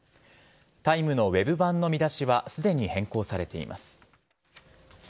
「タイム」のウェブ版の見出しはすでに変更されています。